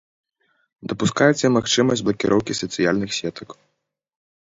Дапускаецца і магчымасць блакіроўкі сацыяльных сетак.